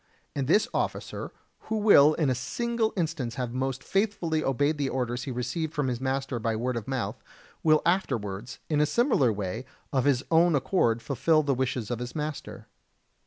And this officer, who will in a single instance have most faithfully obeyed the orders he received from his master by word of mouth, will afterwards, in a similar way, of his own accord fulfil the wishes of his master.